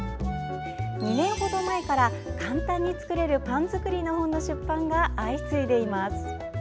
２年ほど前から簡単に作れるパン作りの本の出版が相次いでいます。